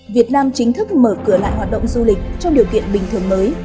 việt nam chính thức mở cửa lại hoạt động du lịch trong điều kiện bình thường mới